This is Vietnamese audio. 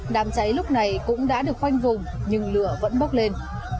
đám cháy lúc này cũng đã được khoanh vùng nhưng lửa vẫn bốc lên